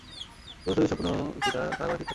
বীভৎস দুঃস্বপ্ন কি তাড়া করে ফিরত তাকে?